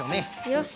よし。